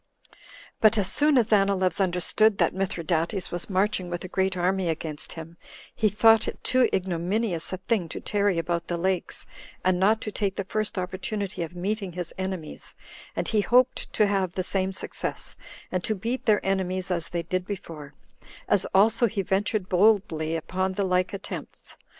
7. But as soon as Anileus understood that Mithridates was marching with a great army against him, he thought it too ignominious a thing to tarry about the lakes, and not to take the first opportunity of meeting his enemies, and he hoped to have the same success, and to beat their enemies as they did before; as also he ventured boldly upon the like attempts.